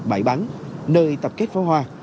bãi bắn nơi tập kết pháo hoa